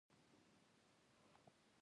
اوړه د ماشوم لاسونه سپینوي